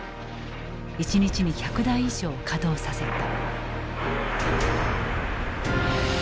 １日に１００台以上稼働させた。